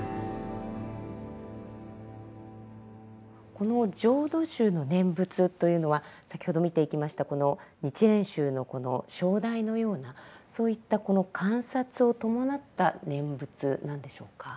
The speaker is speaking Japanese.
この浄土宗の念仏というのは先ほど見ていきましたこの日蓮宗のこの唱題のようなそういったこの観察を伴った念仏なんでしょうか。